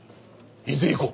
伊豆へ行こう！